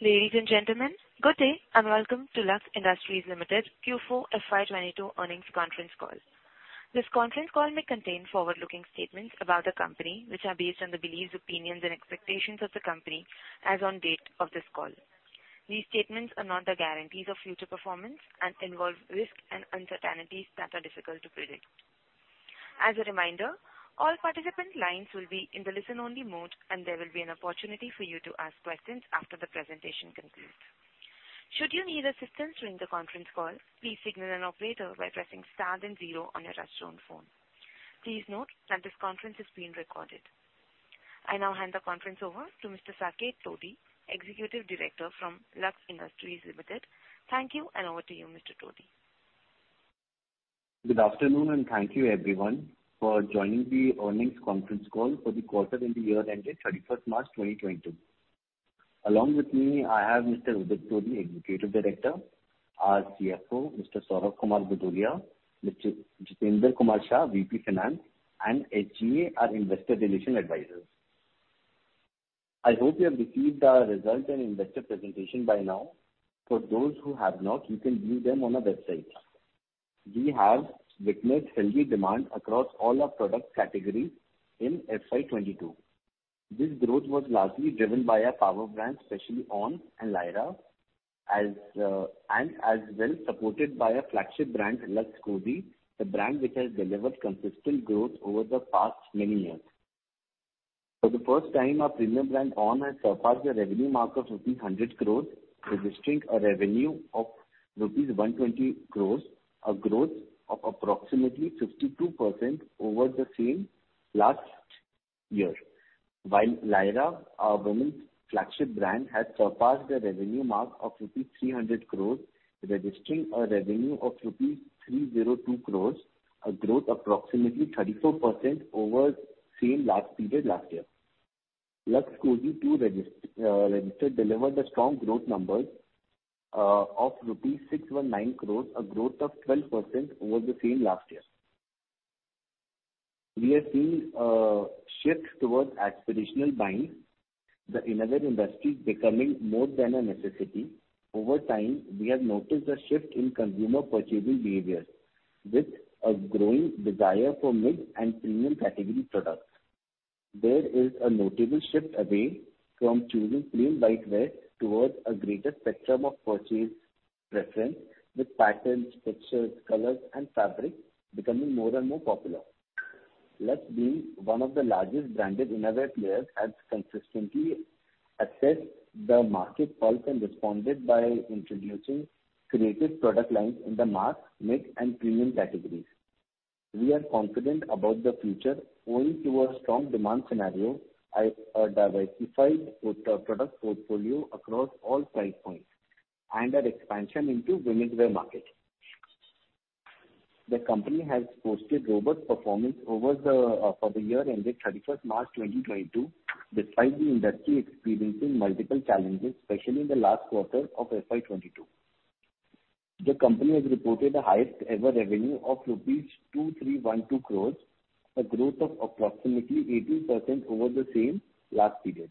Ladies and gentlemen, good day and welcome to Lux Industries Limited Q4 FY22 earnings conference call. This conference call may contain forward-looking statements about the company, which are based on the beliefs, opinions and expectations of the company as on date of this call. These statements are not the guarantees of future performance and involve risks and uncertainties that are difficult to predict. As a reminder, all participant lines will be in the listen-only mode, and there will be an opportunity for you to ask questions after the presentation concludes. Should you need assistance during the conference call, please signal an operator by pressing star and zero on your touchtone phone. Please note that this conference is being recorded. I now hand the conference over to Mr. Saket Todi, Executive Director from Lux Industries Limited. Thank you, and over to you, Mr. Todi. Good afternoon and thank you everyone for joining the earnings conference call for the quarter in the year ending March 31 2022. Along with me, I have Mr. Udit Todi, Executive Director, our CFO, Mr. Saurabh Kumar Bhudolia, Mr. Jitender Kumar Shah, VP Finance, and SGA, our investor relations advisors. I hope you have received our results and investor presentation by now. For those who have not, you can view them on our website. We have witnessed healthy demand across all our product categories in FY 2022. This growth was largely driven by our power brands, especially ONN and Lyra, as and as well supported by our flagship brand Lux Cozi, the brand which has delivered consistent growth over the past many years. For the first time, our premium brand ONN has surpassed the revenue mark of rupees 100 crores, registering a revenue of rupees 120 crores, a growth of approximately 52% over the same last year. While Lyra, our women's flagship brand, has surpassed the revenue mark of rupees 300 crores, registering a revenue of rupees 302 crores, a growth approximately 34% over same last period last year. Lux Cozi too registered delivered the strong growth numbers of rupees 619 crores, a growth of 12% over the same last year. We are seeing a shift towards aspirational buying. The innerwear industry is becoming more than a necessity. Over time, we have noticed a shift in consumer purchasing behaviors with a growing desire for mid and premium category products. There is a notable shift away from choosing plain white wear towards a greater spectrum of purchase preference, with patterns, pictures, colors and fabrics becoming more and more popular. Lux being one of the largest branded innerwear players, has consistently assessed the market pulse and responded by introducing creative product lines in the mass, mid and premium categories. We are confident about the future owing to a strong demand scenario, a diversified product portfolio across all price points and our expansion into womenswear market. The company has posted robust performance for the year ended March 31 2022, despite the industry experiencing multiple challenges, especially in the last quarter of FY 2022. The company has reported the highest ever revenue of rupees 2,312 crore, a growth of approximately 18% over the same last period.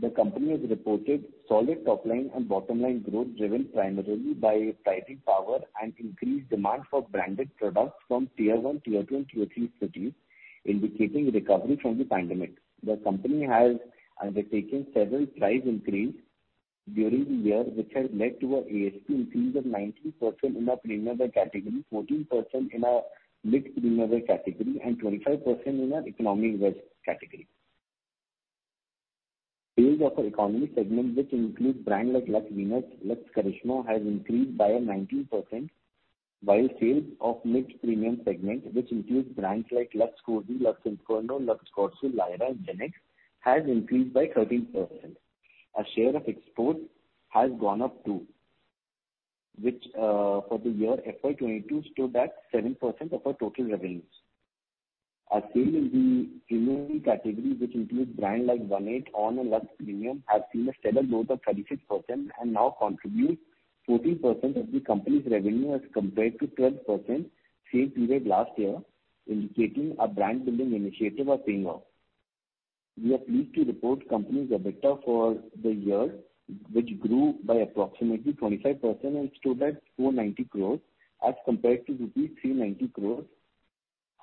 The company has reported solid top-line and bottom-line growth, driven primarily by pricing power and increased demand for branded products from Tier 1, Tier 2 and Tier 3 cities, indicating recovery from the pandemic. The company has undertaken several price increases during the year, which has led to an ASP increase of 19% in our premium wear category, 14% in our mid premium wear category and 25% in our economy wear category. Sales of our economy segment, which include brands like Lux Venus, Lux Karishma, have increased by 19%, while sales of mid-premium segment, which includes brands like Lux Cozi, Lux Inferno, Lux Cottswool, Lyra and GenX, have increased by 13%. Our share of export has gone up too, which, for the year FY 2022 stood at 7% of our total revenues. Our sale in the innerwear category, which includes brands like One8, ONN and Lux Premium, have seen a steady growth of 36% and now contribute 14% of the company's revenue as compared to 12% same period last year, indicating our brand building initiatives are paying off. We are pleased to report company's EBITDA for the year, which grew by approximately 25% and stood at 490 crores as compared to rupees 390 crores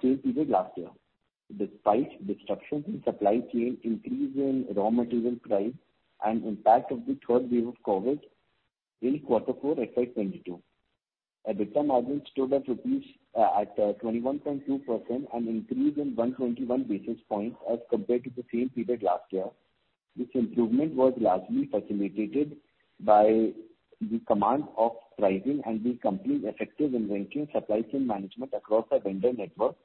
same period last year, despite disruptions in supply chain, increase in raw material price and impact of the third wave of COVID-19 in quarter four FY 2022. EBITDA margin stood at 21.2%, an increase in 121 basis points as compared to the same period last year. This improvement was largely facilitated by the command of pricing and the company's effective inventory and supply chain management across our vendor network,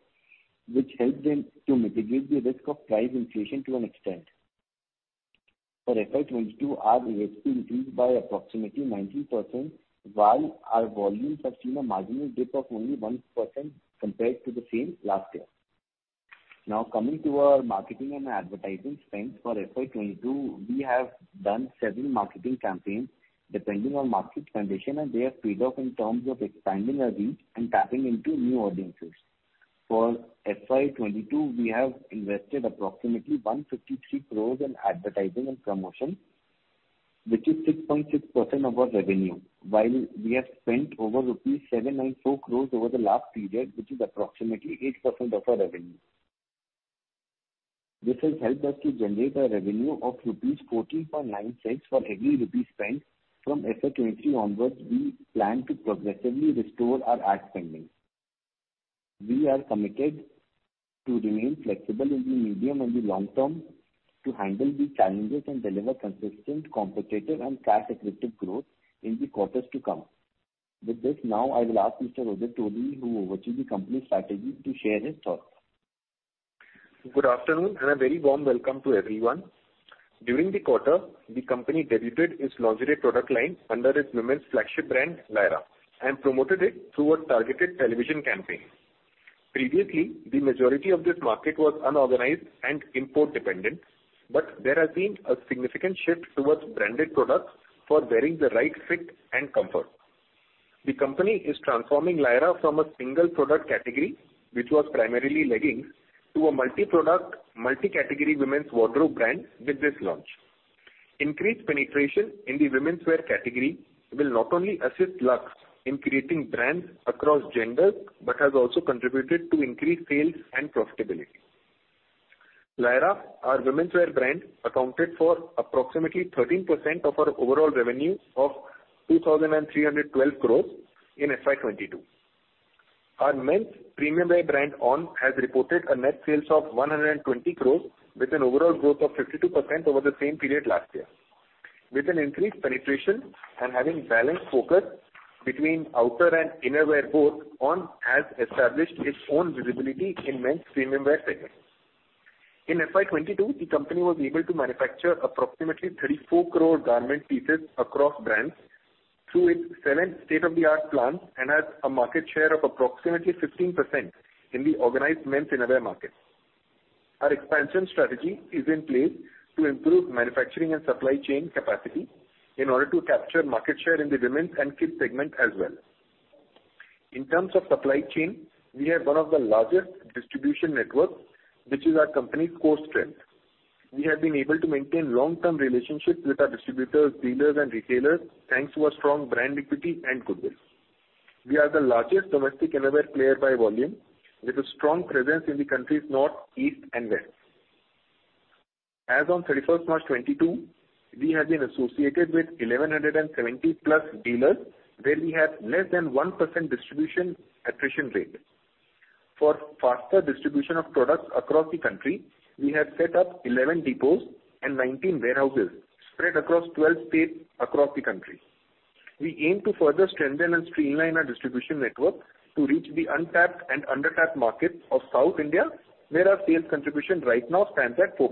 which helped them to mitigate the risk of price inflation to an extent. For FY 2022, our ASP increased by approximately 19%, while our volumes have seen a marginal dip of only 1% compared to the same last year. Now coming to our marketing and advertising spends. For FY 2022, we have done several marketing campaigns depending on market condition, and they have paid off in terms of expanding our reach and tapping into new audiences. For FY 2022, we have invested approximately 153 crores in advertising and promotion, which is 6.6% of our revenue, while we have spent over rupees 794 crores over the last period, which is approximately 8% of our revenue. This has helped us to generate a revenue of rupees 14.9 for every rupee spent. From FY 2023 onwards, we plan to progressively restore our ad spending. We are committed to remain flexible in the medium and the long term to handle these challenges and deliver consistent, competitive and cash accretive growth in the quarters to come. With this, now I will ask Mr. Udit Todi, who oversees the company's strategy, to share his thoughts. Good afternoon and a very warm welcome to everyone. During the quarter, the company debuted its lingerie product line under its women's flagship brand, Lyra, and promoted it through a targeted television campaign. Previously, the majority of this market was unorganized and import dependent, but there has been a significant shift towards branded products for wearing the right fit and comfort. The company is transforming Lyra from a single product category, which was primarily leggings, to a multi-product, multi-category women's wardrobe brand with this launch. Increased penetration in the womenswear category will not only assist Lux in creating brands across genders, but has also contributed to increased sales and profitability. Lyra, our womenswear brand, accounted for approximately 13% of our overall revenue of 2,312 crore in FY 2022. Our men's premium wear brand, ONN, has reported net sales of 120 crore, with an overall growth of 52% over the same period last year. With an increased penetration and having balanced focus between outer and innerwear both, ONN has established its own visibility in men's premium wear segment. In FY 2022, the company was able to manufacture approximately 34 crore garment pieces across brands through its seven state-of-the-art plants and has a market share of approximately 15% in the organized men's innerwear market. Our expansion strategy is in place to improve manufacturing and supply chain capacity in order to capture market share in the women's and kids segment as well. In terms of supply chain, we have one of the largest distribution networks, which is our company's core strength. We have been able to maintain long-term relationships with our distributors, dealers and retailers, thanks to our strong brand equity and goodwill. We are the largest domestic innerwear player by volume, with a strong presence in the country's north, east and west. As on March31 2022, we have been associated with 1,170+ dealers, where we have less than 1% distribution attrition rate. For faster distribution of products across the country, we have set up 11 depots and 19 warehouses spread across 12 states across the country. We aim to further strengthen and streamline our distribution network to reach the untapped and undertapped markets of South India, where our sales contribution right now stands at 4%.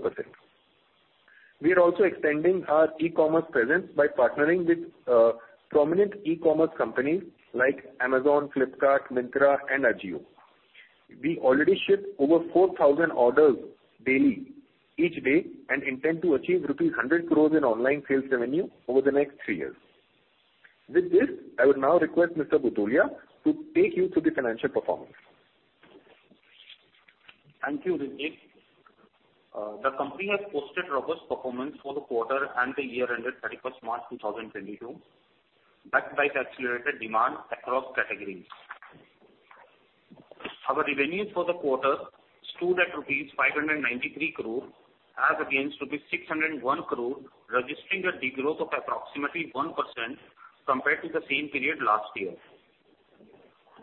We are also extending our e-commerce presence by partnering with prominent e-commerce companies like Amazon, Flipkart, Myntra and AJIO. We already ship over 4,000 orders daily, each day, and intend to achieve 100 crores in online sales revenue over the next three years. With this, I would now request Mr. Bhudolia to take you through the financial performance. Thank you, Ranjit. The company has posted robust performance for the quarter and the year ended March 31 2022, backed by accelerated demand across categories. Our revenues for the quarter stood at rupees 593 crores as against rupees 601 crores, registering a de-growth of approximately 1% compared to the same period last year.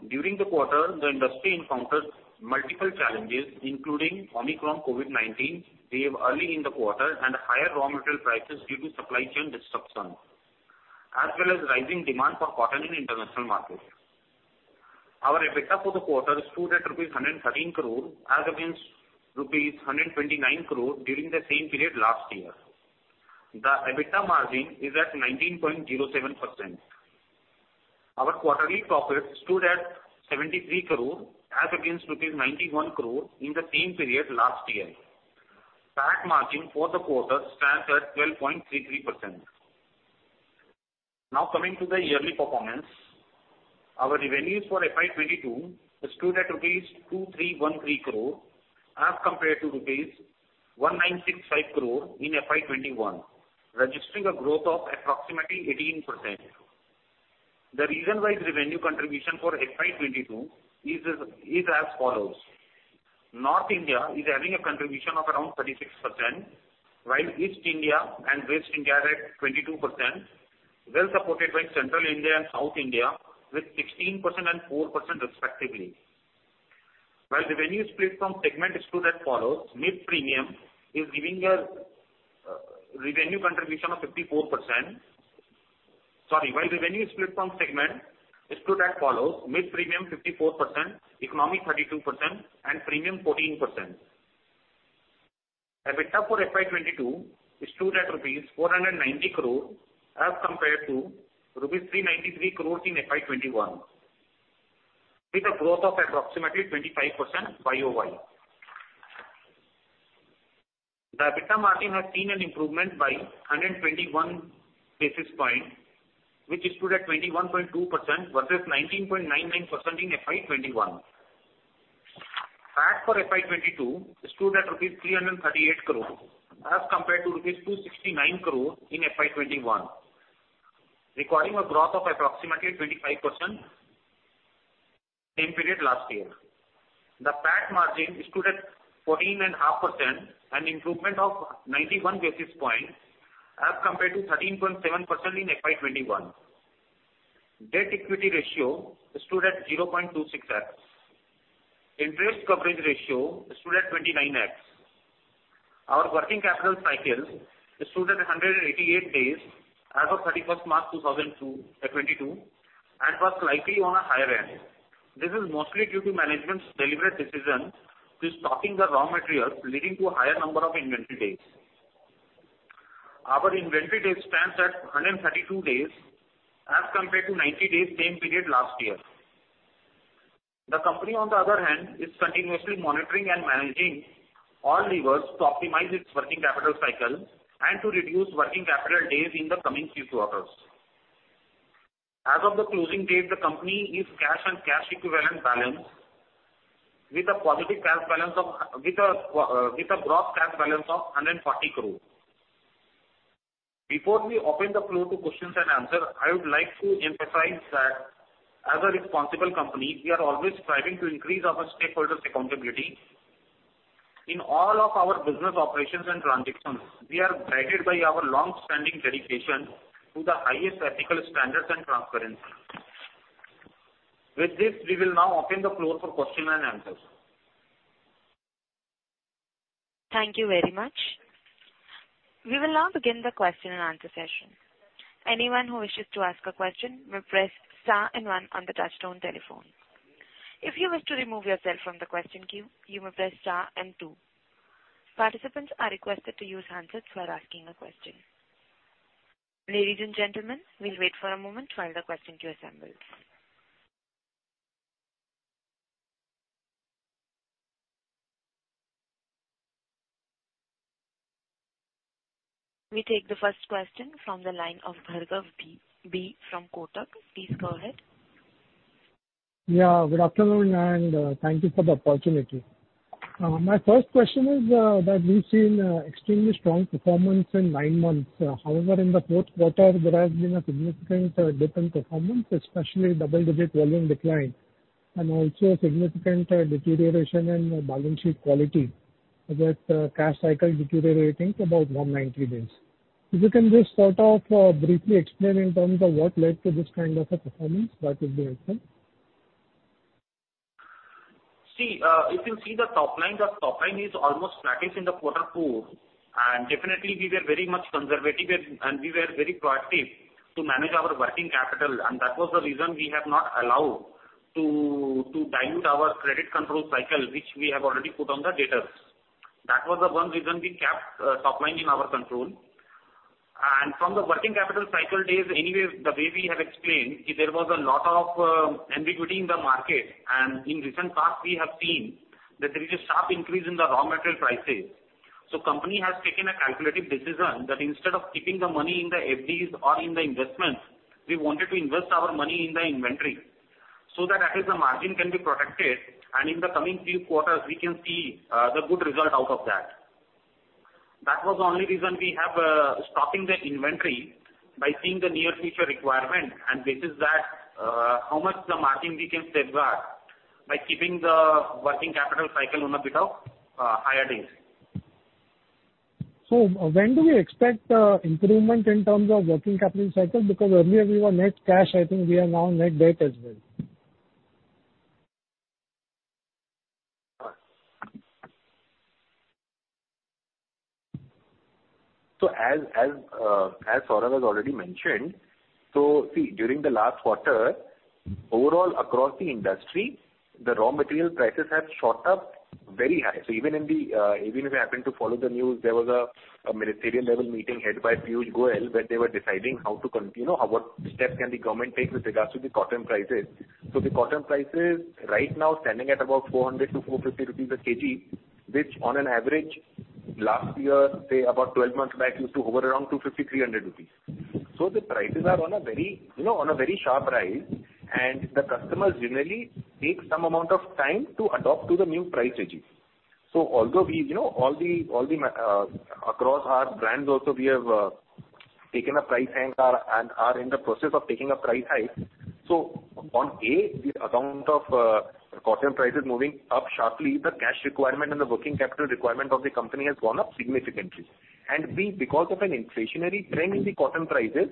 During the quarter, the industry encountered multiple challenges, including Omicron COVID-19 wave early in the quarter and higher raw material prices due to supply chain disruptions, as well as rising demand for cotton in international markets. Our EBITDA for the quarter stood at rupees 113 crore as against rupees 129 crore during the same period last year. The EBITDA margin is at 19.07%. Our quarterly profits stood at 73 crore as against rupees 91 crore in the same period last year. PAT margin for the quarter stands at 12.33%. Now coming to the yearly performance. Our revenues for FY 2022 stood at rupees 2,313 crore as compared to rupees 1,965 crore in FY 2021, registering a growth of approximately 18%. The region-wise revenue contribution for FY 2022 is as follows: North India is having a contribution of around 36%, while East India and West India at 22%, well supported by Central India and South India with 16% and 4% respectively. While revenue split from segment stood as follows: mid-premium 54%, economy 32% and premium 14%. EBITDA for FY22 stood at rupees 490 crore as compared to rupees 393 crore in FY21, with a growth of approximately 25% YOY. The EBITDA margin has seen an improvement by 121 basis points, which stood at 21.2% versus 19.99% in FY21. PAT for FY22 stood at rupees 338 crore as compared to rupees 269 crore in FY21, registering a growth of approximately 25% same period last year. The PAT margin stood at 14.5%, an improvement of 91 basis points as compared to 13.7% in FY 2021. Debt equity ratio stood at 0.26x. Interest coverage ratio stood at 29x. Our working capital cycle stood at 188 days as of March 31, 2022, and was slightly on a higher end. This is mostly due to management's deliberate decision of stocking the raw materials, leading to a higher number of inventory days. Our inventory days stands at 132 days as compared to 90 days same period last year. The company, on the other hand, is continuously monitoring and managing all levers to optimize its working capital cycle and to reduce working capital days in the coming few quarters. As of the closing date, the company has a cash and cash equivalents balance with a gross cash balance of 140 crore. Before we open the floor to questions and answers, I would like to emphasize that as a responsible company, we are always striving to increase our stakeholders' accountability. In all of our business operations and transactions, we are guided by our long-standing dedication to the highest ethical standards and transparency. With this, we will now open the floor for questions and answers. Thank you very much. We will now begin the question-and-answer session. Anyone who wishes to ask a question may press star and one on the touchtone telephone. If you wish to remove yourself from the question queue, you may press star and two. Participants are requested to use handsets while asking a question. Ladies and gentlemen, we'll wait for a moment while the question queue assembles. We take the first question from the line of Bhargav Buddhadev, B from Kotak. Please go ahead. Yeah, good afternoon and thank you for the opportunity. My first question is that we've seen extremely strong performance in nine months. However, in the fourth quarter there has been a significant dip in performance, especially double-digit volume decline and also significant deterioration in balance sheet quality with cash cycle deteriorating to about 190 days. If you can just sort of briefly explain in terms of what led to this kind of a performance, that would be helpful. See, if you see the top line, the top line is almost flattish in the quarter four, and definitely we were very much conservative and we were very proactive to manage our working capital, and that was the reason we have not allowed to dilute our credit control cycle, which we have already put on the radars. That was the one reason we kept top line in our control. From the working capital cycle days, anyway, the way we have explained is there was a lot of ambiguity in the market, and in recent past we have seen that there is a sharp increase in the raw material prices. Company has taken a calculated decision that instead of keeping the money in the FDs or in the investments. We wanted to invest our money in the inventory so that at least the margin can be protected, and in the coming few quarters we can see the good result out of that. That was the only reason we have stocking the inventory by seeing the near future requirement, and which is that how much the margin we can safeguard by keeping the working capital cycle on a bit of higher days. When do we expect improvement in terms of working capital cycle? Because earlier we were net cash, I think we are now net debt as well. As Saurav has already mentioned, during the last quarter, overall across the industry, the raw material prices have shot up very high. Even if you happen to follow the news, there was a ministerial-level meeting headed by Piyush Goyal, where they were deciding what steps can the government take with regards to the cotton prices. The cotton prices right now standing at about 400-450 rupees a kg, which on an average last year, say about twelve months back, used to hover around 250-300 rupees. The prices are on a very sharp rise, and the customers generally take some amount of time to adapt to the new price regime. Although we all the ma Across our brands also, we have taken a price hike and are in the process of taking a price hike. On account of cotton prices moving up sharply, the cash requirement and the working capital requirement of the company has gone up significantly. B, because of an inflationary trend in the cotton prices,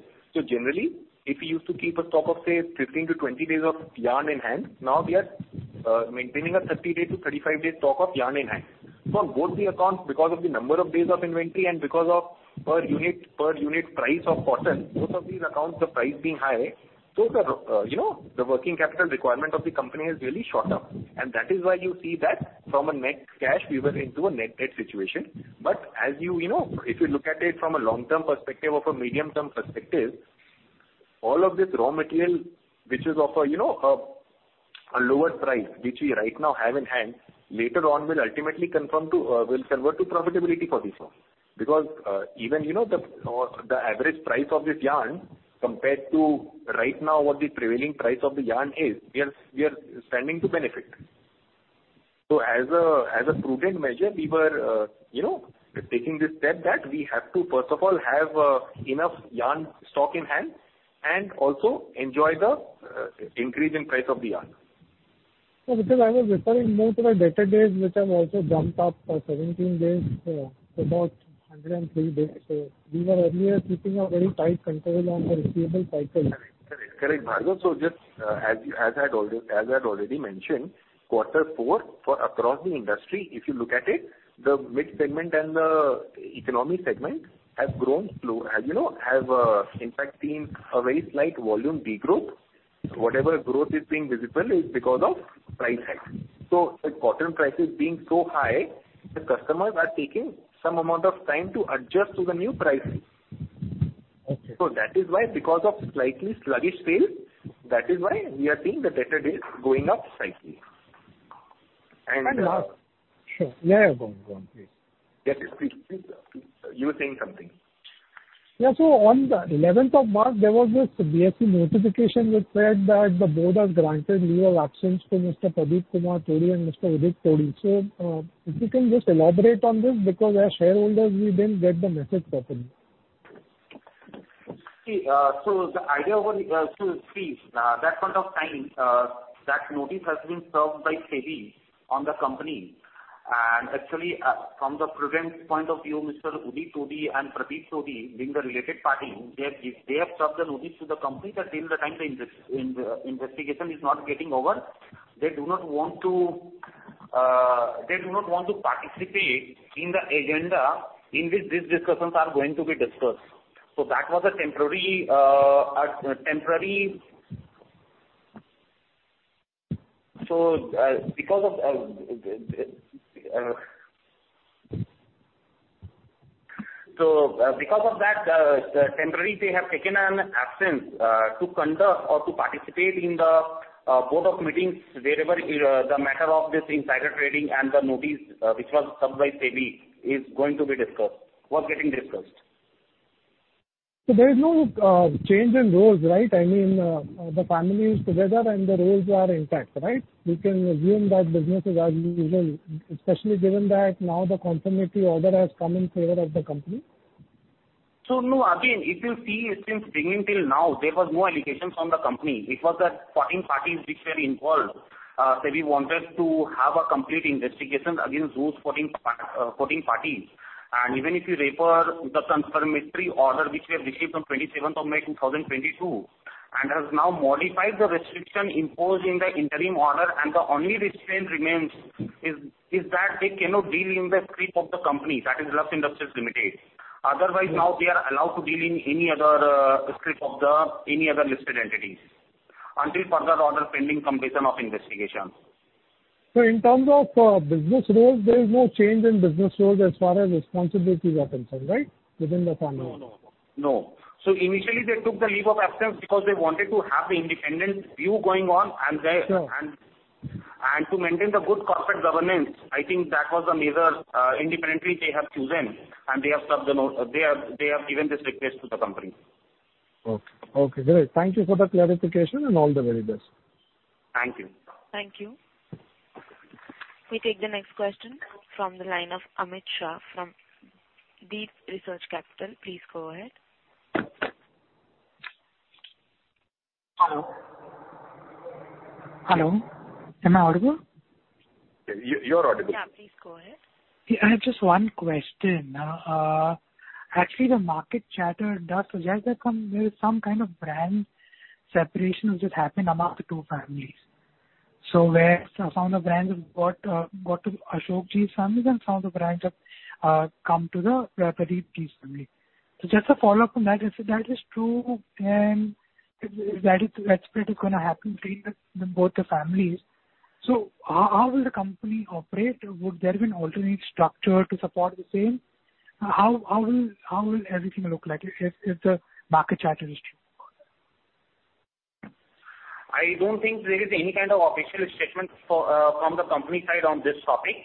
generally, if you used to keep a stock of, say, 15-20 days of yarn in hand, now we are maintaining a 30- to 35-day stock of yarn in hand. On both the accounts, because of the number of days of inventory and because of per unit price of cotton, both of these accounts, the price being high. You know, the working capital requirement of the company has really shot up, and that is why you see that from a net cash we went into a net debt situation. As you know, if you look at it from a long-term perspective or from medium-term perspective. All of this raw material, which is of a, you know, a lower price, which we right now have in hand, later on will ultimately convert to profitability for this one. Because, even, you know, the average price of this yarn compared to right now what the prevailing price of the yarn is, we are standing to benefit. As a prudent measure, we were, you know, taking this step that we have to first of all have enough yarn stock in hand and also enjoy the increase in price of the yarn. No, because I was referring more to the debtor days, which have also jumped up for 17 days to about 103 days. We were earlier keeping a very tight control on the receivable cycle. It's correct, Bhargav. Just as I'd already mentioned, quarter four for across the industry, if you look at it, the mid segment and the economy segment have grown slow, as you know, in fact seen a very slight volume degrowth. Whatever growth is being visible is because of price hike. With cotton prices being so high, the customers are taking some amount of time to adjust to the new pricing. Okay. That is why, because of slightly sluggish sales, that is why we are seeing the debtor days going up slightly. Sure. Yeah, go on, please. Yes, please. Please, you were saying something. On the March 11th, there was this BSE notification which said that the board has granted leave of absence to Mr. Pradip Kumar Todi and Mr. Udit Todi. If you can just elaborate on this because as shareholders we didn't get the message properly. The idea was, at that point of time, the notice has been served by SEBI on the company. Actually, from the prudent point of view, Mr. Udit Todi and Pradip Kumar Todi being the related party, they have served the notice to the company that till the time the investigation is not getting over, they do not want to participate in the agenda in which these discussions are going to be discussed. That was a temporary. Because of that, they have taken a temporary absence to conduct or to participate in the board meetings wherever the matter of this insider trading and the notice, which was served by SEBI, was getting discussed. There is no change in roles, right? I mean, the family is together and the roles are intact, right? We can assume that business is as usual, especially given that now the confirmatory order has come in favor of the company. No, again, if you see since beginning till now, there was no allegations on the company. It was the 14 parties which were involved. SEBI wanted to have a complete investigation against those 14 parties. Even if you refer the confirmatory order which we have received on 27th of May, 2022, and has now modified the restriction imposed in the interim order. The only restraint remains is that they cannot deal in the scrip of the company, that is Lux Industries Limited. Otherwise, now they are allowed to deal in any other scrip of any other listed entities until further order pending completion of investigation. In terms of business roles, there is no change in business roles as far as responsibilities are concerned, right? Within the family. No. Initially they took the leave of absence because they wanted to have the independent view going on. Sure. To maintain the good corporate governance, I think that was the measure. Independently they have chosen and they have given this request to the company. Okay. Okay, great. Thank you for the clarification and all the very best. Thank you. Thank you. We take the next question from the line of Amit Shah from Deep Research Capital. Please go ahead. Hello? Hello, am I audible? You're audible. Yeah, please go ahead. I have just one question. Actually the market chatter does suggest that there is some kind of brand separation which has happened among the two families. Some of the brands have got to Ashok Ji's family and some of the brands have come to the Pradeep Ji's family. Just a follow-up on that, if that is true and that split is gonna happen between both the families, how will the company operate? Would there be an alternate structure to support the same? How will everything look like if the market chatter is true? I don't think there is any kind of official statement for, from the company side on this topic.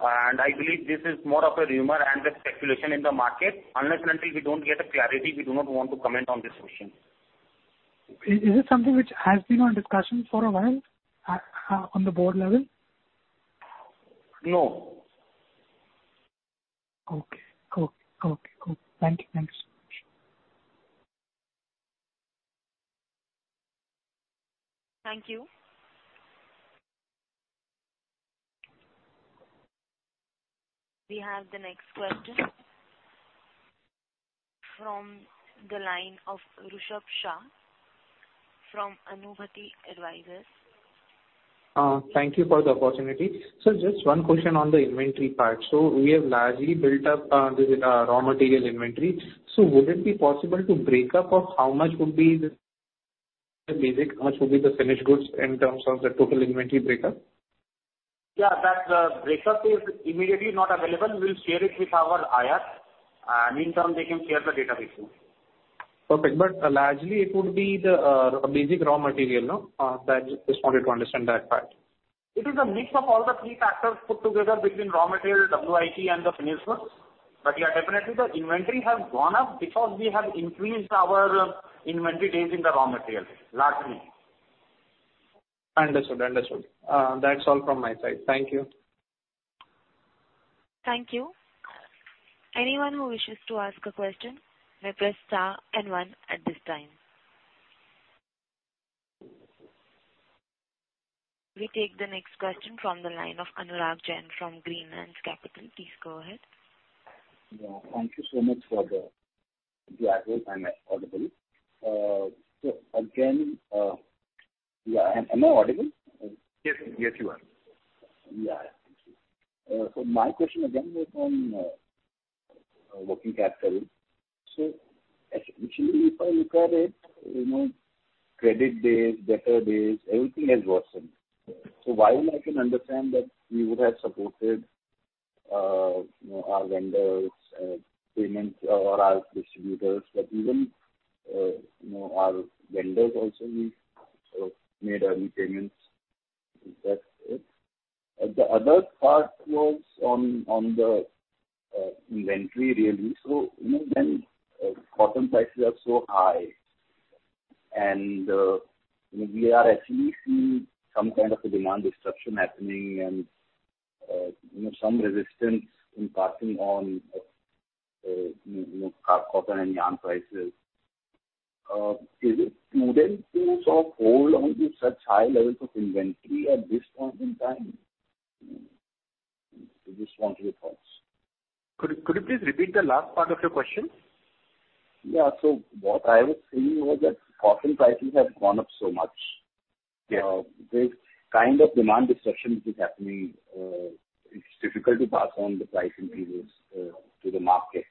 I believe this is more of a rumor and the speculation in the market. Unless and until we don't get a clarity, we do not want to comment on this issue. Is it something which has been on discussion for a while, on the board level? No. Okay. Thank you. Thanks. Thank you. We have the next question from the line of Rishabh Shah from Anubhuti Advisors. Thank you for the opportunity. Just one question on the inventory part. We have largely built up the raw material inventory. Would it be possible to break up of how much would be the basic, how much would be the finished goods in terms of the total inventory breakup? Yeah, that breakup is not immediately available. We'll share it with our IR, and meantime they can share the data with you. Perfect. Largely it would be the basic raw material, no? Just wanted to understand that part. It is a mix of all the three factors put together between raw material, WIP, and the finished goods. Yeah, definitely the inventory has gone up because we have increased our inventory days in the raw material largely. Understood. That's all from my side. Thank you. Thank you. Anyone who wishes to ask a question may press star and one at this time. We take the next question from the line of Anurag Jain from Greenlands Capital. Please go ahead. Yeah. I hope I'm audible. Yeah, am I audible? Yes. Yes, you are. Yeah. Thank you. My question again was on working capital. Essentially if I look at it, you know, credit days, debtor days, everything has worsened. While I can understand that we would have supported, you know, our vendors payments or our distributors, but even, you know, our vendors also we sort of made early payments. Is that it? The other part was on the inventory really. You know, when cotton prices are so high and, you know, we are actually seeing some kind of a demand disruption happening and, you know, some resistance in passing on, you know, cotton and yarn prices, is it prudent to sort of hold on to such high levels of inventory at this point in time? Just want your thoughts. Could you please repeat the last part of your question? Yeah. What I was saying was that cotton prices have gone up so much. Yeah. This kind of demand disruption which is happening, it's difficult to pass on the price increases to the market.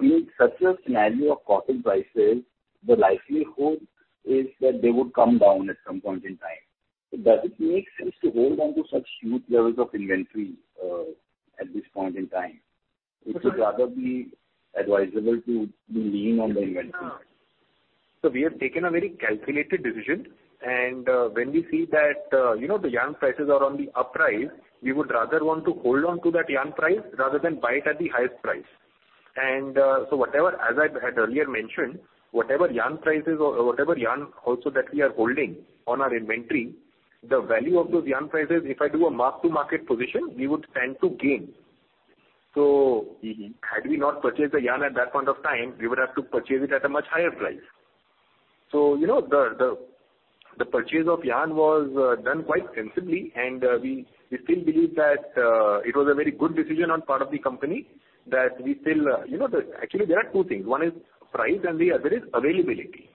In such a scenario of cotton prices, the likely hope is that they would come down at some point in time. Does it make sense to hold on to such huge levels of inventory at this point in time? So- It would rather be advisable to be lean on the inventory. We have taken a very calculated decision, and, when we see that, you know, the yarn prices are on the rise, we would rather want to hold on to that yarn price rather than buy it at the highest price. Whatever, as I had earlier mentioned, yarn prices or yarn also that we are holding on our inventory, the value of those yarn prices, if I do a mark-to-market position, we would stand to gain. Had we not purchased the yarn at that point of time, we would have to purchase it at a much higher price. You know, the purchase of yarn was done quite sensibly and, we still believe that, it was a very good decision on part of the company that we still. You know, actually there are two things. One is price and the other is availability.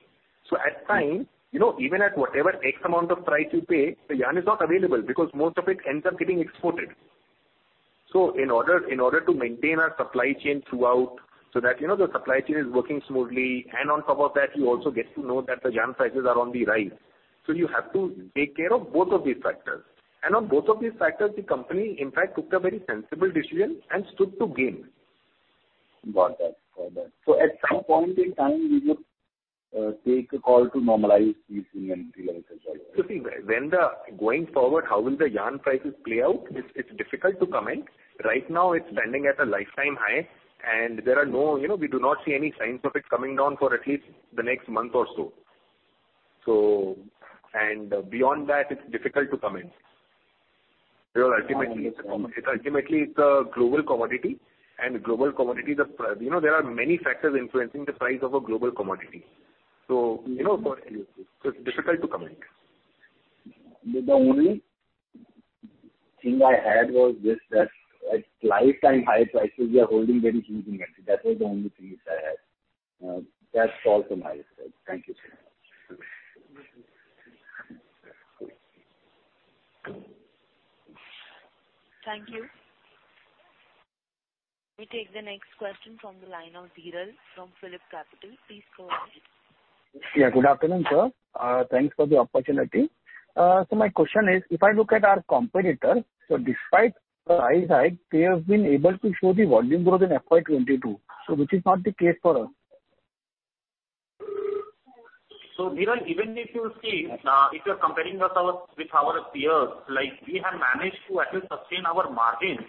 At times, you know, even at whatever X amount of price you pay, the yarn is not available because most of it ends up getting exported. In order to maintain our supply chain throughout so that, you know, the supply chain is working smoothly and on top of that you also get to know that the yarn prices are on the rise, so you have to take care of both of these factors. On both of these factors the company in fact took a very sensible decision and stood to gain. Got that. At some point in time you would take a call to normalize these inventory levels as well. Going forward, how will the yarn prices play out? It's difficult to comment. Right now it's standing at a lifetime high and there are no, you know, we do not see any signs of it coming down for at least the next month or so. Beyond that it's difficult to comment. You know, ultimately. Oh. It's ultimately a global commodity. You know, there are many factors influencing the price of a global commodity. You know, it's difficult to comment. The only thing I had was just that at lifetime high prices we are holding very huge inventory. That was the only thing I had. That's all from my side. Thank you so much. Thank you. We take the next question from the line of Dhiral from Phillip Capital. Please go ahead. Yeah. Good afternoon, sir. Thanks for the opportunity. My question is if I look at our competitor, so despite the price hike they have been able to show the volume growth in FY 2022, so which is not the case for us. Dhiral, even if you see, if you're comparing us with our peers, like we have managed to at least sustain our margins.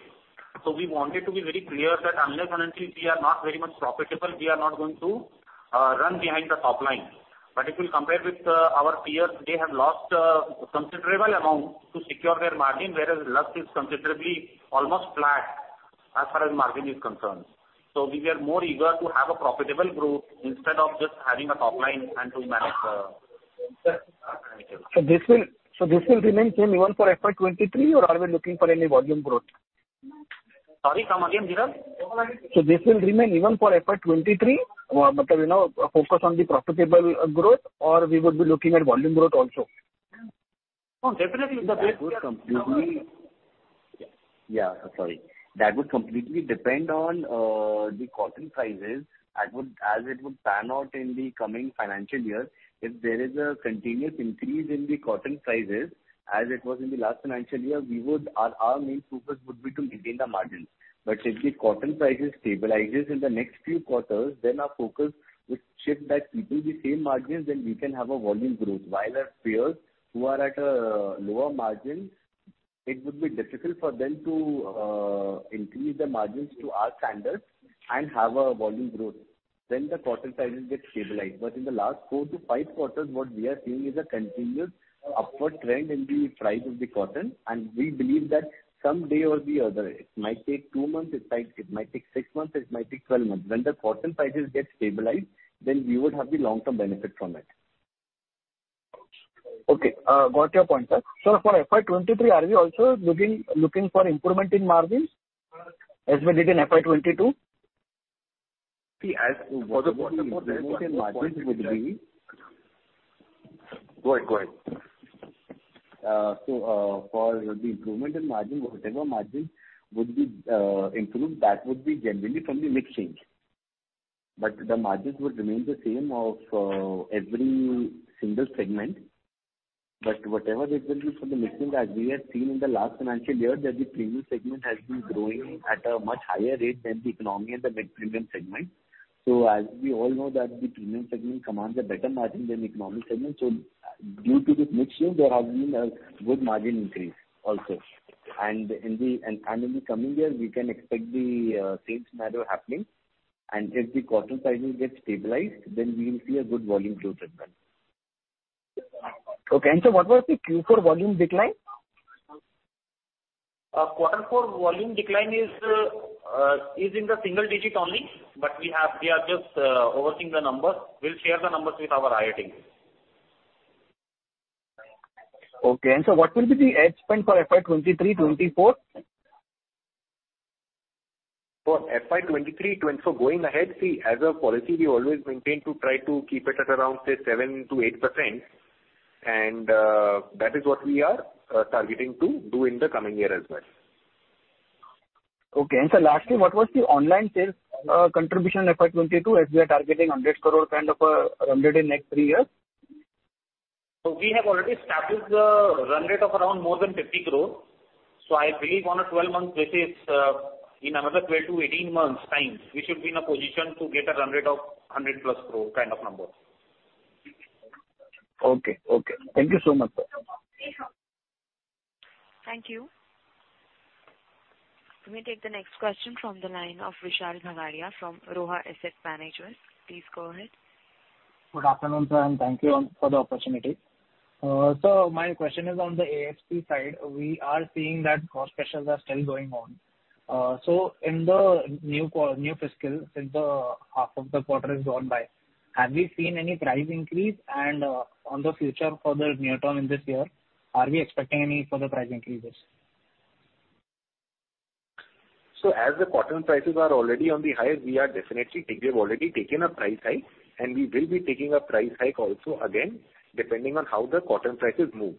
We wanted to be very clear that unless and until we are not very much profitable, we are not going to run behind the top line. If you compare with our peers they have lost a considerable amount to secure their margin, whereas Lux is considerably almost flat as far as margin is concerned. We were more eager to have a profitable growth instead of just having a top line and to manage the This will remain same even for FY 2023 or are we looking for any volume growth? Sorry, come again, Dhiral. This will remain even for FY 2023, you know, focus on the profitable growth or we would be looking at volume growth also? No, definitely. Yeah, sorry. That would completely depend on the cotton prices. As it would pan out in the coming financial year, if there is a continuous increase in the cotton prices as it was in the last financial year, we would. Our main focus would be to maintain the margins. If the cotton prices stabilizes in the next few quarters, then our focus would shift back keeping the same margins, then we can have a volume growth. While our peers who are at a lower margin, it would be difficult for them to increase their margins to our standards and have a volume growth. The cotton prices get stabilized. In the last four to five quarters, what we are seeing is a continuous upward trend in the price of the cotton. We believe that someday or the other, it might take two months, it might take six months, it might take 12 months. When the cotton prices get stabilized, then we would have the long-term benefit from it. Okay, got your point, sir. Sir, for FY 2023, are we also looking for improvement in margins as we did in FY 2022? See, as would be- Go ahead. For the improvement in margin, whatever margin would be improved, that would be generally from the mix change. The margins would remain the same for every single segment. Whatever it will be from the mix change, as we have seen in the last financial year, that the premium segment has been growing at a much higher rate than the economy and the mid-premium segment. As we all know that the premium segment commands a better margin than economy segment. Due to this mix change, there has been a good margin increase also. In the coming year we can expect the same scenario happening. If the cotton prices get stabilized, then we will see a good volume growth in that. Okay. What was the Q4 volume decline? Quarter four volume decline is in the single digit only, but we are just overseeing the numbers. We'll share the numbers with our IR team. Okay. What will be the ad spend for FY 2023-2024? For FY 2023-2024 going ahead, see, as a policy we always maintain to try to keep it at around, say, 7%-8%. That is what we are targeting to do in the coming year as well. Okay. Sir, lastly, what was the online sales contribution FY 2022 as we are targeting 100 crore kind of a run rate in next three years? We have already established a run rate of around more than 50 crore. I believe on a 12-month basis, in another 12-18 months time, we should be in a position to get a run rate of 100+ crore kind of number. Okay. Okay. Thank you so much, sir. Thank you. Let me take the next question from the line of Vishal Bagadia from Roha Asset Managers. Please go ahead. Good afternoon, sir, and thank you for the opportunity. My question is on the ASP side. We are seeing that cost specials are still going on. In the new fiscal, since half of the quarter is gone by, have we seen any price increase? In the future for the near term in this year, are we expecting any further price increases? As the cotton prices are already on the highest, we have already taken a price hike, and we will be taking a price hike also again, depending on how the cotton prices move.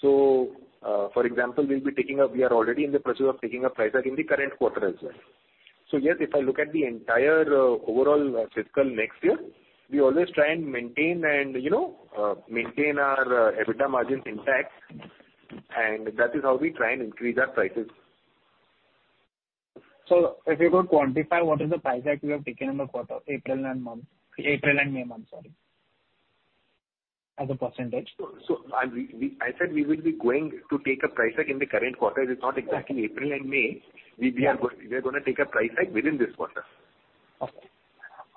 For example, we are already in the process of taking a price hike in the current quarter as well. Yes, if I look at the entire overall fiscal next year, we always try and maintain, you know, our EBITDA margin intact, and that is how we try and increase our prices. If you could quantify what is the price hike you have taken in the quarter, April and May month, sorry, as a percentage. I said we will be going to take a price hike in the current quarter. It's not exactly April and May. We are gonna take a price hike within this quarter. Okay.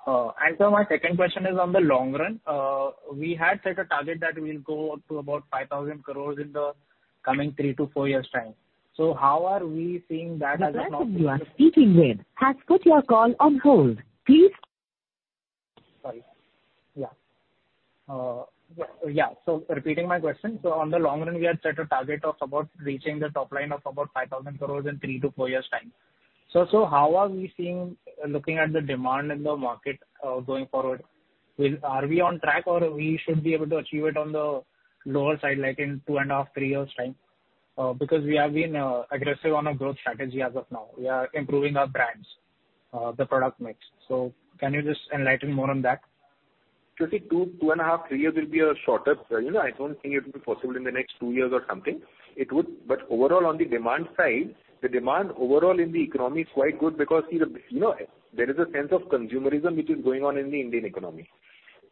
My second question is on the long run. We had set a target that we'll go up to about 5,000 crores in the coming three to four years' time. How are we seeing that as of now? The person you are speaking with has put your call on hold. Please- Sorry. Yeah. Repeating my question. On the long run we had set a target of about reaching the top line of about 5,000 crore in three to four years' time. How are we seeing, looking at the demand in the market, going forward? Are we on track or we should be able to achieve it on the lower side, like in 2.5-3 years' time? Because we have been aggressive on our growth strategy as of now. We are improving our brands, the product mix. Can you just enlighten more on that? In 2.5, three years will be shorter. I don't think it will be possible in the next two years or something. Overall on the demand side, the demand overall in the economy is quite good because there is a sense of consumerism which is going on in the Indian economy.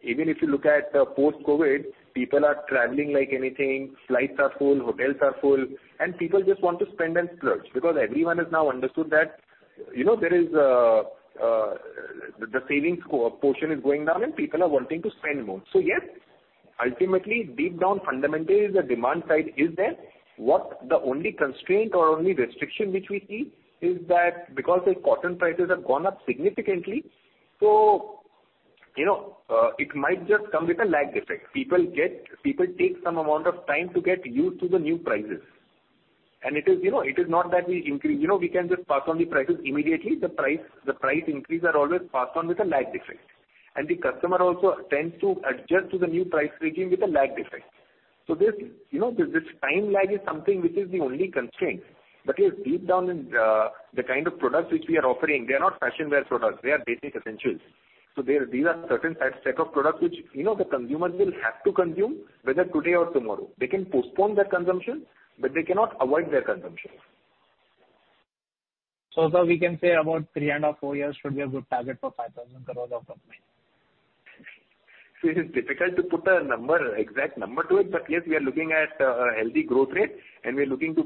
Even if you look at post-COVID, people are traveling like anything. Flights are full, hotels are full, and people just want to spend and splurge because everyone has now understood that there is the savings portion is going down and people are wanting to spend more. Yes, ultimately deep down fundamentally the demand side is there. The only constraint or only restriction which we see is that because the cotton prices have gone up significantly, so, you know, it might just come with a lag effect. People take some amount of time to get used to the new prices. It is, you know, it is not that we increase. You know, we can just pass on the prices immediately. The price increase are always passed on with a lag effect. The customer also tends to adjust to the new price regime with a lag effect. So this, you know, this time lag is something which is the only constraint. Yes, deep down in, the kind of products which we are offering, they are not fashion wear products, they are basic essentials. These are certain set of products which, you know, the consumers will have to consume whether today or tomorrow. They can postpone their consumption, but they cannot avoid their consumption. Sir, we can say about 3.5-4 years should be a good target for 5,000 crore of revenue. See, it's difficult to put a number, exact number to it, but yes, we are looking at a healthy growth rate and we're looking at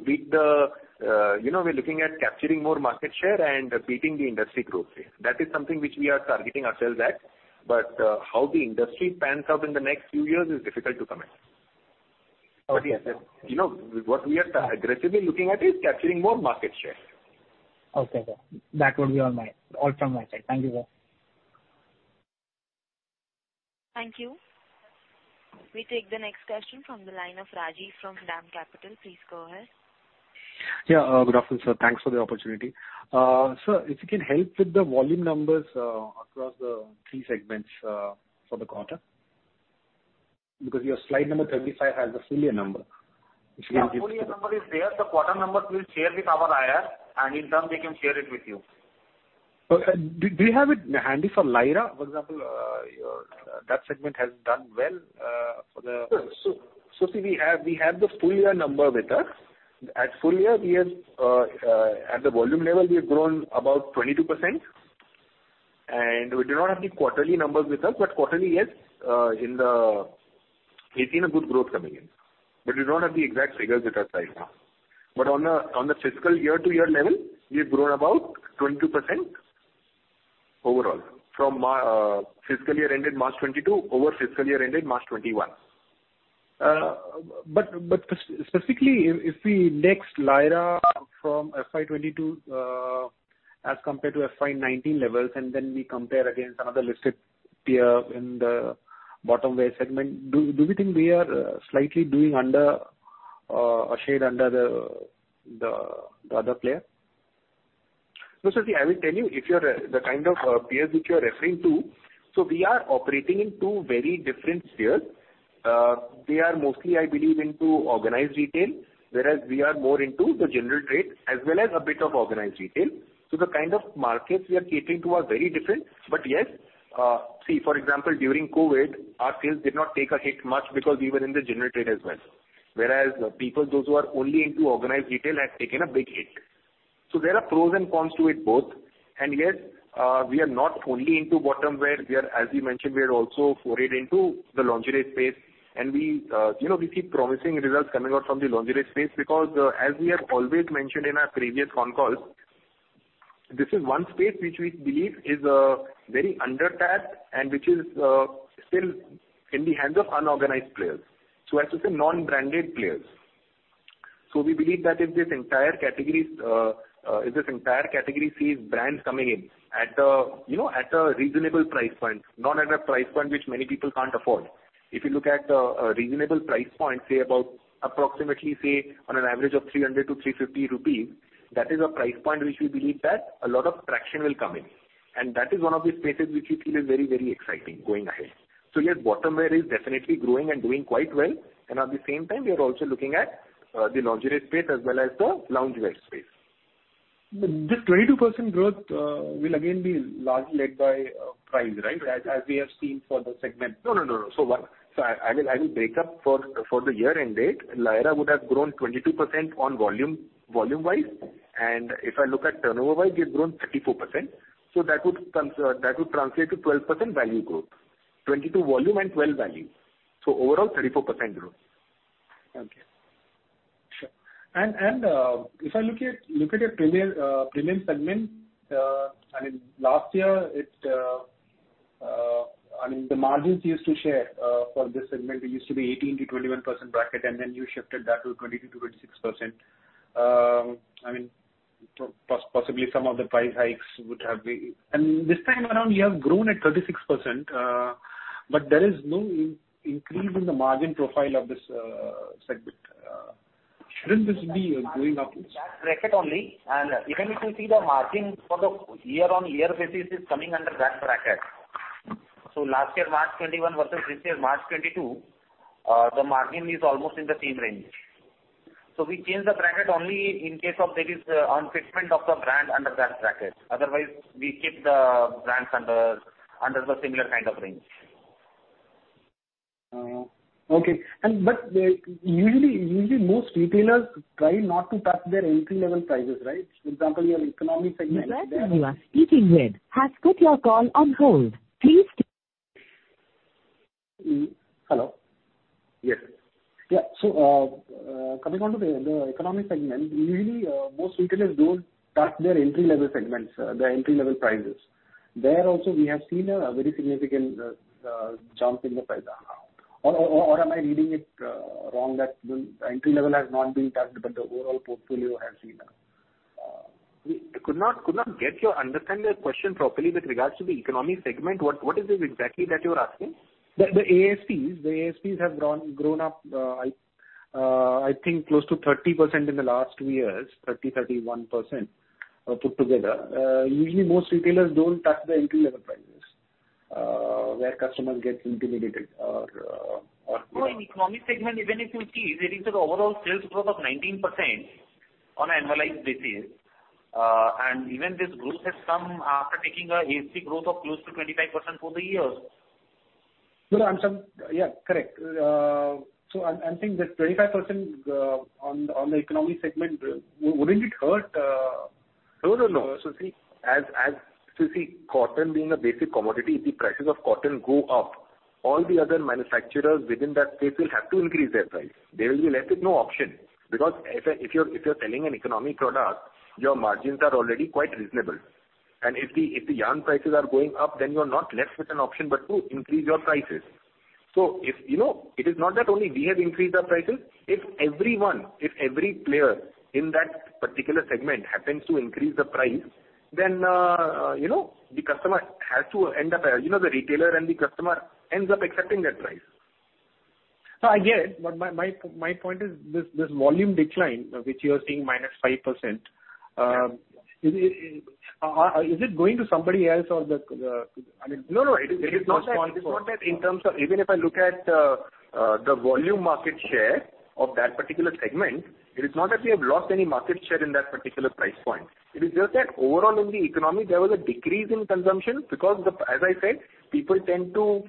capturing more market share and beating the industry growth rate. That is something which we are targeting ourselves at. How the industry pans out in the next few years is difficult to comment. Okay. Yes, you know, what we are aggressively looking at is capturing more market share. Okay, sir. That would be all from my side. Thank you, sir. Thank you. We take the next question from the line of Rajiv from DAM Capital. Please go ahead. Yeah. Good afternoon, sir. Thanks for the opportunity. Sir, if you can help with the volume numbers across the three segments for the quarter. Because your slide number 35 has the full year number. If you can- Yeah, full year number is there. The quarter numbers we'll share with our IR, and in turn they can share it with you. Okay. Do you have it handy for Lyra? For example, that segment has done well for the Sure. See we have the full year number with us. At full year, at the volume level, we have grown about 22%. We do not have the quarterly numbers with us. Quarterly, yes, we've seen a good growth coming in. We don't have the exact figures with us right now. On the fiscal year-over-year level, we've grown about 22% overall from fiscal year ended March 2022 over fiscal year ended March 2021. Specifically if we net Lyra from FY 2022, as compared to FY 2019 levels, and then we compare against another listed peer in the bottom wear segment, do you think we are slightly under, a shade under the other player? No, see I will tell you if you're the kind of peers which you are referring to, so we are operating in two very different spheres. They are mostly, I believe, into organized retail, whereas we are more into the general trade as well as a bit of organized retail. The kind of markets we are catering to are very different. Yes, see for example during COVID, our sales did not take a hit much because we were in the general trade as well. Whereas people those who are only into organized retail have taken a big hit. There are pros and cons to it both. Yes, we are not only into bottom wear, we are, as we mentioned, we are also forayed into the lingerie space. We, you know, we see promising results coming out from the lingerie space because, as we have always mentioned in our previous con calls, this is one space which we believe is very undertapped and which is still in the hands of unorganized players. I should say non-branded players. We believe that if this entire category sees brands coming in at a, you know, at a reasonable price point, not at a price point which many people can't afford. If you look at a reasonable price point, say about approximately, say on an average of 300-350 rupees, that is a price point which we believe that a lot of traction will come in. That is one of the spaces which we feel is very, very exciting going ahead. Yes, bottom wear is definitely growing and doing quite well. At the same time we are also looking at the lingerie space as well as the lounge wear space. This 22% growth will again be largely led by price, right? As we have seen for the segment. No. I will break up for the year ended, Lyra would have grown 22% on volume-wise. If I look at turnover-wise, we have grown 34%. That would translate to 12% value growth. 22% volume and 12% value. Overall 34% growth. Okay. Sure. If I look at your premium segment, I mean, last year it, I mean the margins you used to share for this segment, it used to be 18%-21% bracket, and then you shifted that to 22%-26%. I mean, possibly some of the price hikes would have been. This time around you have grown at 36%, but there is no increase in the margin profile of this segment. Shouldn't this be going up? That bracket only. Even if you see the margin for the year-on-year basis is coming under that bracket. Last year, March 2021 versus this year, March 2022, the margin is almost in the same range. We change the bracket only in case there is non-fitment of the brand under that bracket. Otherwise we keep the brands under the similar kind of range. Okay. Usually most retailers try not to touch their entry-level prices. Right? For example, your economy segment- The person you are speaking with has put your call on hold. Hello? Yes. Yeah. Coming on to the economy segment, usually, most retailers don't touch their entry-level segments, their entry-level prices. There also we have seen a very significant jump in the price. Or am I reading it wrong that the entry level has not been touched but the overall portfolio has seen a? We could not understand your question properly with regards to the economy segment. What is it exactly that you are asking? The ASPs have grown up. I think close to 30% in the last two years, 31%. Or put together. Usually most retailers don't touch the entry-level prices, where customers get intimidated or. No, in economy segment, even if you see, there is an overall sales growth of 19% on an annualized basis. Even this growth has come after taking a ASP growth of close to 25% for the year. No, I understand. Yeah, correct. I'm saying that 25% on the economy segment wouldn't it hurt? No, no. See, cotton being a basic commodity, if the prices of cotton go up, all the other manufacturers within that space will have to increase their price. They will be left with no option. Because if you're selling an economy product, your margins are already quite reasonable. If the yarn prices are going up, then you're not left with an option but to increase your prices. You know, it is not that only we have increased our prices. If every player in that particular segment happens to increase the price, then you know, the customer has to end up, you know, the retailer and the customer ends up accepting that price. No, I get it. My point is this volume decline which you are seeing -5%, is it going to somebody else or the I mean. No, no. It is not that. There is no response. It is not that in terms of even if I look at the volume market share of that particular segment, it is not that we have lost any market share in that particular price point. It is just that overall in the economy, there was a decrease in consumption because, as I said, people tend to,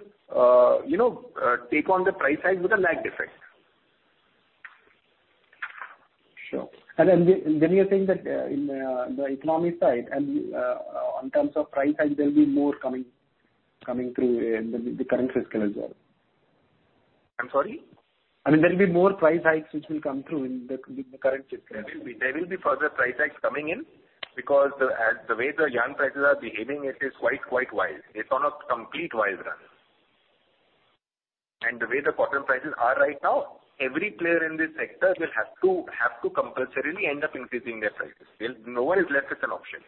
you know, take on the price hike with a lag effect. Sure. You're saying that in the economy side and in terms of price hike, there'll be more coming through in the current fiscal as well. I'm sorry? I mean, there'll be more price hikes which will come through in the current fiscal year. There will be further price hikes coming in because the, as, the way the yarn prices are behaving, it is quite wild. It's on a complete wild run. The way the cotton prices are right now, every player in this sector will have to compulsorily end up increasing their prices. They'll. No one is left with an option.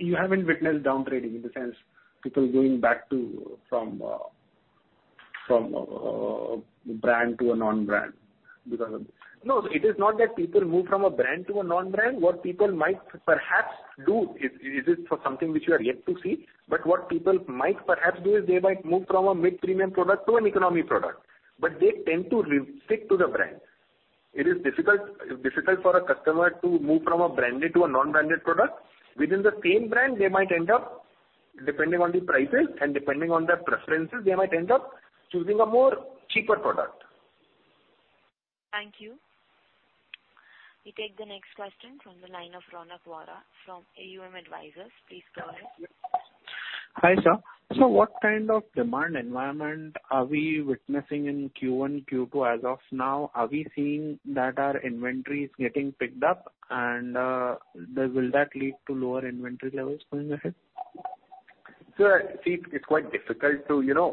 You haven't witnessed downtrading, in the sense people going back from brand to a non-brand because of. No, it is not that people move from a brand to a non-brand. What people might perhaps do is for something which we are yet to see, but what people might perhaps do is they might move from a mid-premium product to an economy product. They tend to re-stick to the brand. It is difficult for a customer to move from a branded to a non-branded product. Within the same brand, they might end up, depending on the prices and depending on their preferences, they might end up choosing a more cheaper product. Thank you. We take the next question from the line of Ronak Vora from AUM Capital. Please go ahead. Hi, sir. What kind of demand environment are we witnessing in Q1, Q2 as of now? Are we seeing that our inventory is getting picked up and will that lead to lower inventory levels going ahead? See, it's quite difficult to, you know,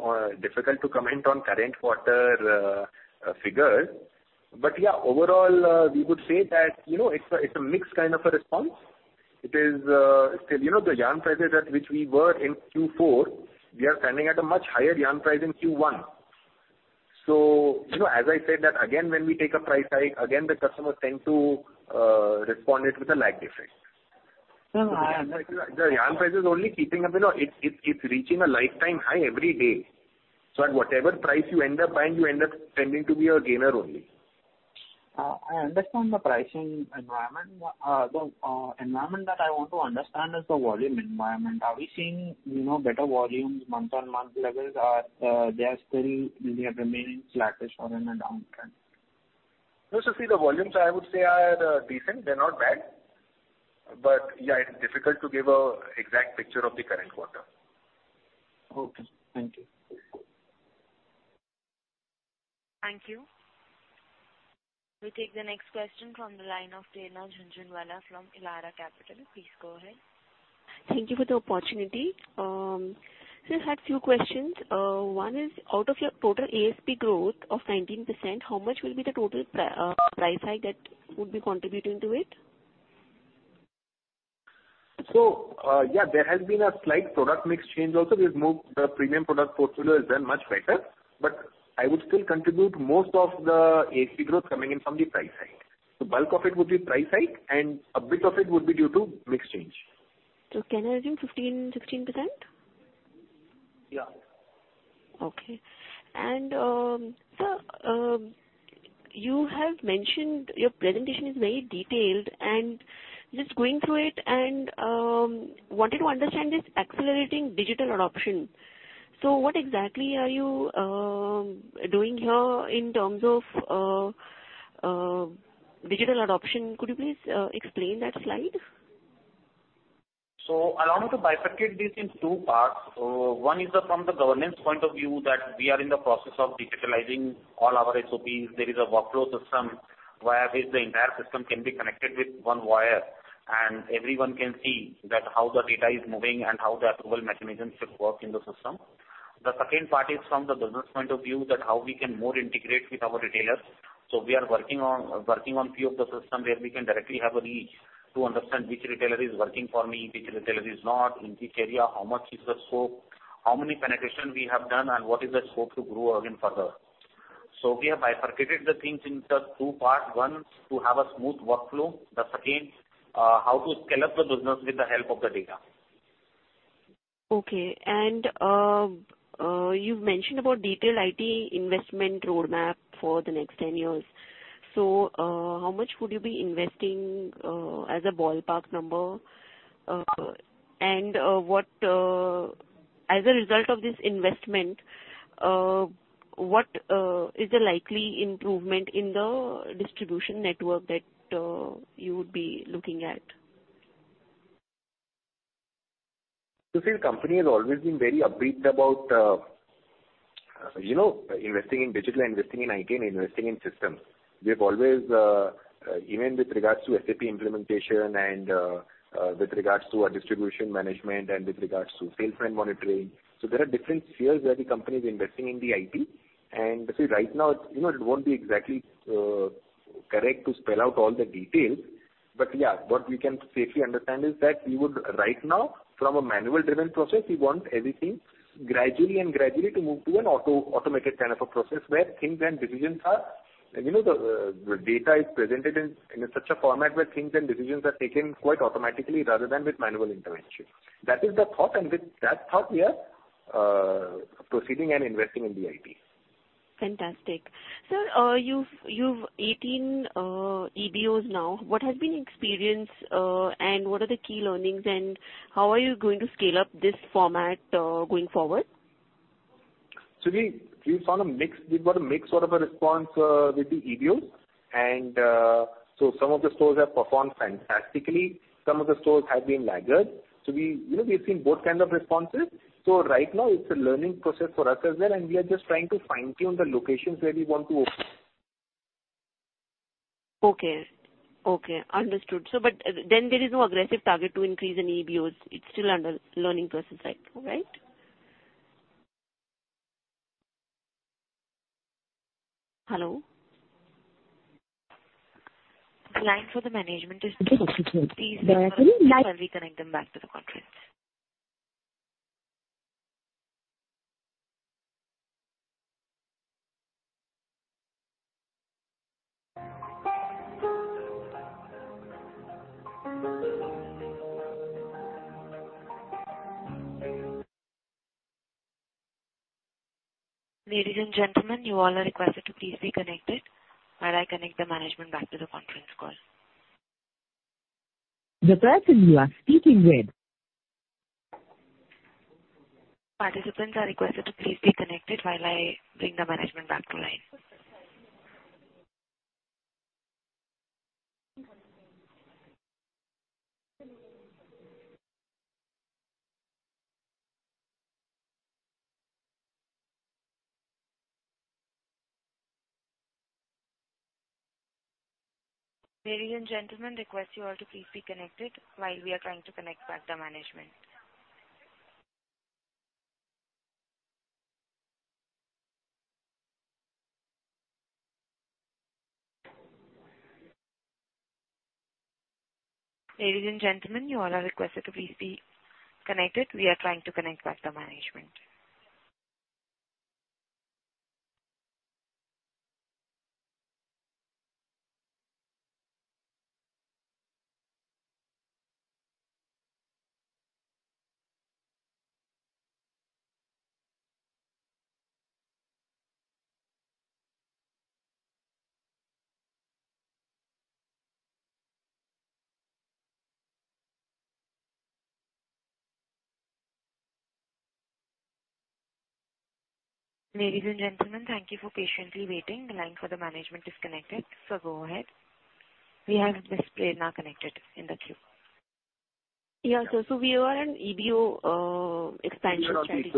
comment on current quarter figures. Yeah, overall, we would say that, you know, it's a mixed kind of a response. It is still, you know, the yarn prices at which we were in Q4, we are standing at a much higher yarn price in Q1. You know, as I said that again, when we take a price hike, again, the customers tend to respond it with a lag effect. No, no, I understand. The yarn price is only keeping up, you know. It's reaching a lifetime high every day. At whatever price you end up buying, you end up tending to be a gainer only. I understand the pricing environment. The environment that I want to understand is the volume environment. Are we seeing, you know, better volumes month-on-month levels or they have remained flattish or in a downtrend? No, see, the volumes I would say are decent. They're not bad. Yeah, it's difficult to give an exact picture of the current quarter. Okay. Thank you. Thank you. We take the next question from the line of Prerna Jhunjhunwala from Elara Capital. Please go ahead. Thank you for the opportunity. I had few questions. One is out of your total ASP growth of 19%, how much will be the total price hike that would be contributing to it? There has been a slight product mix change also. We've moved. The premium product portfolio has done much better. I would still attribute most of the ASP growth coming in from the price hike. The bulk of it would be price hike and a bit of it would be due to mix change. Can I assume 15%-16%? Yeah. Okay. Sir, you have mentioned your presentation is very detailed and just going through it and wanted to understand this accelerating digital adoption. What exactly are you doing here in terms of digital adoption? Could you please explain that slide? Allow me to bifurcate this in two parts. One is from the governance point of view that we are in the process of digitizing all our SOPs. There is a workflow system via which the entire system can be connected with one wire and everyone can see that how the data is moving and how the approval mechanism should work in the system. The second part is from the business point of view that how we can more integrate with our retailers. We are working on few of the system where we can directly have a reach to understand which retailer is working for me, which retailer is not, in which area, how much is the scope, how many penetration we have done, and what is the scope to grow again further. We have bifurcated the things into two parts. One, to have a smooth workflow. The second, how to scale up the business with the help of the data. Okay. You've mentioned about detailed IT investment roadmap for the next 10 years. How much would you be investing as a ballpark number? As a result of this investment, what is the likely improvement in the distribution network that you would be looking at? The company has always been very upbeat about, you know, investing in digital, investing in IT and investing in systems. We have always even with regards to SAP implementation and with regards to our distribution management and with regards to sales trend monitoring. There are different spheres where the company is investing in the IT. Right now, you know, it won't be exactly correct to spell out all the details, but yeah, what we can safely understand is that we would right now from a manual-driven process, we want everything gradually to move to an auto-automated kind of a process where the data is presented in such a format where things and decisions are taken quite automatically rather than with manual intervention. That is the thought and with that thought we are proceeding and investing in the IT. Fantastic. Sir, you've 18 EBOs now. What has been the experience, and what are the key learnings and how are you going to scale up this format, going forward? We found a mix. We've got a mix sort of a response with the EBOs and some of the stores have performed fantastically. Some of the stores have been laggards. We, you know, we've seen both kinds of responses. Right now it's a learning process for us as well, and we are just trying to fine-tune the locations where we want to open. Okay. Understood. There is no aggressive target to increase in EBOs. It's still under learning process right now, right? Hello? The line for the management is. Okay. Please bear with us while we connect them back to the conference. Ladies and gentlemen, you all are requested to please be connected while I connect the management back to the conference call. The person you are speaking with. Participants are requested to please be connected while I bring the management back to line. Ladies and gentlemen, request you all to please be connected while we are trying to connect back the management. Ladies and gentlemen, you all are requested to please be connected. We are trying to connect back the management. Ladies and gentlemen, thank you for patiently waiting. The line for the management is connected, so go ahead. We have Ms. Prerna connected in the queue. We are on EBO expansion strategy.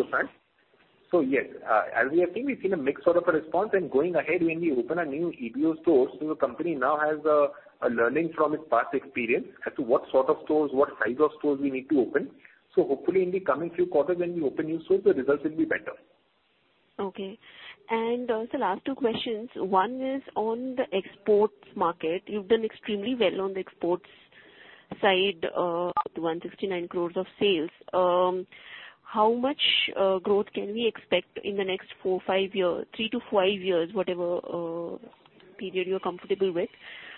Yes, as we have seen, we've seen a mix sort of a response. Going ahead when we open a new EBO store, the company now has a learning from its past experience as to what sort of stores, what size of stores we need to open. Hopefully in the coming few quarters when we open new stores the results will be better. Okay. Sir, last two questions. One is on the exports market. You've done extremely well on the exports side, at 159 crores of sales. How much growth can we expect in the next four, five years, three to five years, whatever period you're comfortable with,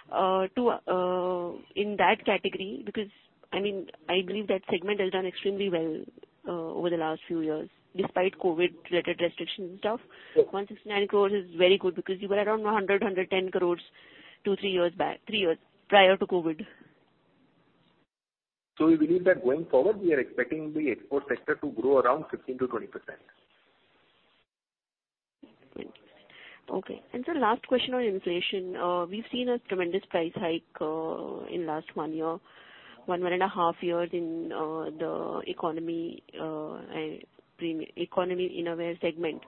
to in that category? Because, I mean, I believe that segment has done extremely well over the last few years, despite COVID-related restrictions and stuff. Yes. 169 crore is very good because you were around 110 crore two to three years back, three years prior to COVID. We believe that going forward, we are expecting the export sector to grow around 15%-20%. Okay. Sir, last question on inflation. We've seen a tremendous price hike in last 1.5 years in the economy innerwear segment,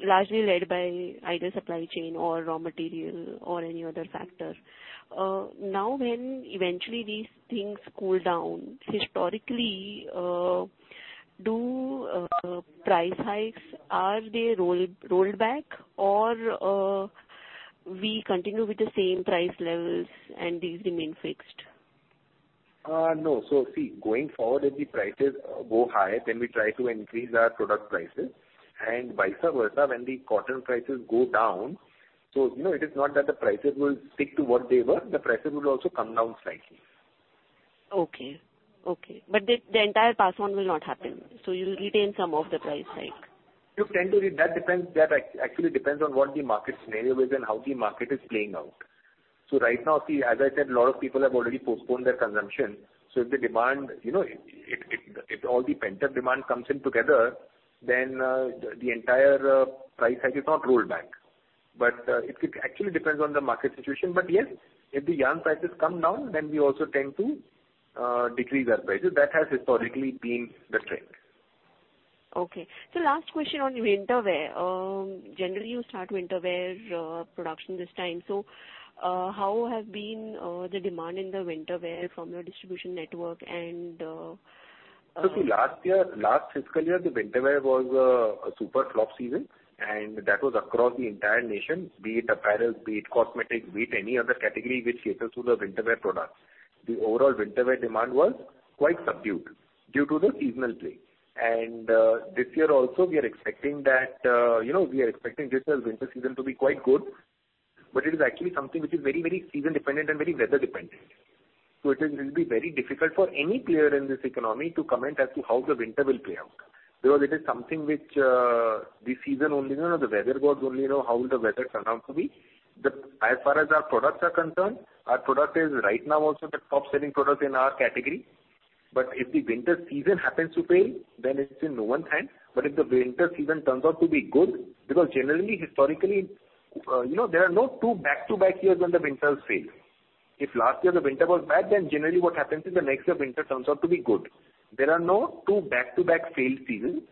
largely led by either supply chain or raw material or any other factor. Now, when eventually these things cool down historically, are price hikes rolled back or we continue with the same price levels and these remain fixed? See, going forward, if the prices go higher, then we try to increase our product prices and vice versa. When the cotton prices go down, you know, it is not that the prices will stick to what they were. The prices will also come down slightly. Okay. The entire pass on will not happen, so you'll retain some of the price hike. That depends. That actually depends on what the market scenario is and how the market is playing out. Right now, see, as I said, a lot of people have already postponed their consumption. If the demand, you know, if all the pent-up demand comes in together, then the entire price hike is not rolled back. It actually depends on the market situation. Yes, if the yarn prices come down, then we also tend to decrease our prices. That has historically been the trend. Okay. Last question on winter wear. Generally, you start winter wear production this time. How has been the demand in the winter wear from your distribution network and See, last year, last fiscal year, the winter wear was a super flop season, and that was across the entire nation. Be it apparel, be it cosmetics, be it any other category which caters to the winter wear products. The overall winter wear demand was quite subdued due to the seasonal play. This year also we are expecting that, you know, we are expecting this year's winter season to be quite good, but it is actually something which is very, very season dependent and very weather dependent. It is, it'll be very difficult for any player in this economy to comment as to how the winter will play out, because it is something which, the season only know. The weather gods only know how the weather turns out to be. As far as our products are concerned, our product is right now also the top-selling product in our category. If the winter season happens to fail, then it's in no one's hands. If the winter season turns out to be good. Generally, historically, you know, there are no two back-to-back years when the winters fail. If last year the winter was bad, then generally what happens is the next year winter turns out to be good. There are no two back-to-back failed seasons.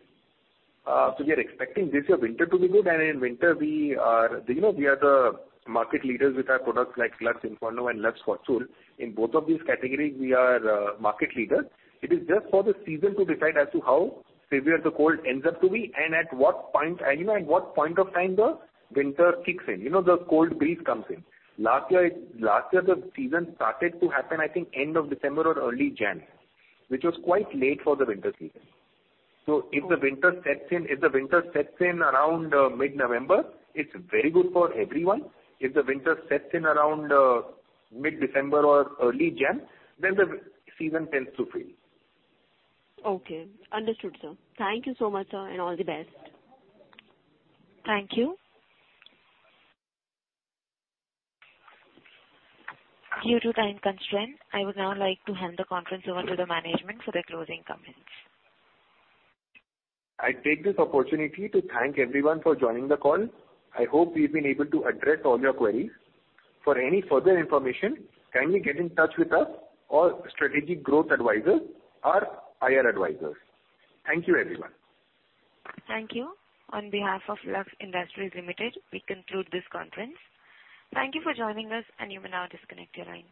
We are expecting this year winter to be good. In winter we are, you know, we are the market leaders with our products like Lux Inferno and Lux Cottswool. In both of these categories, we are market leaders. It is just for the season to decide as to how severe the cold ends up to be and at what point, you know, at what point of time the winter kicks in, you know, the cold breeze comes in. Last year, the season started to happen, I think end of December or early January, which was quite late for the winter season. If the winter sets in, if the winter sets in around mid-November, it's very good for everyone. If the winter sets in around mid-December or early January, then the winter season tends to fail. Okay. Understood, sir. Thank you so much, sir, and all the best. Thank you. Due to time constraint, I would now like to hand the conference over to the management for their closing comments. I take this opportunity to thank everyone for joining the call. I hope we've been able to address all your queries. For any further information, kindly get in touch with us or Strategic Growth Advisors, our IR advisors. Thank you, everyone. Thank you. On behalf of Lux Industries Limited, we conclude this conference. Thank you for joining us, and you may now disconnect your lines.